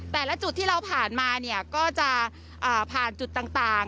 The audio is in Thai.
แต่ละจุดที่เราผ่านมาเนี่ยก็จะผ่านจุดต่าง